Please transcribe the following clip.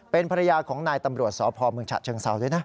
เป็นภรรยาของนายตำรวจสอภองเมืองชะเชิงเซา